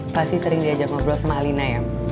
pasti sering diajak ngobrol sama alina ya